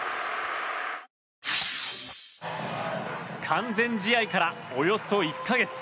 完全試合からおよそ１か月。